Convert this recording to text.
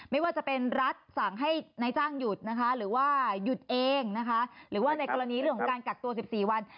ไม่ว่าจะเป็นรัฐสั่งให้นายจ้างหยุดนะคะหรือว่าหยุดเองนะคะหรือว่าในกรณีเรื่องของการกักตัว๑๔วัน